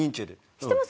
知ってます？